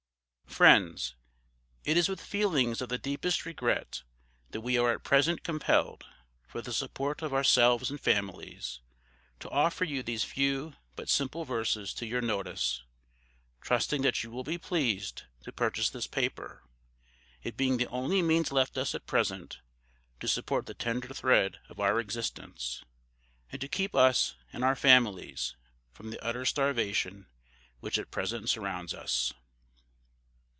FRIENDS, It is with feelings of the deepest regret that we are at present compelled, for the support of ourselves and families, to offer you these few but simple verses to your notice, trusting that you will be pleased to purchase this paper, it being the only means left us at present, to support the tender thread of our existence and to keep us and our families from the utter starvation which at present surrounds us.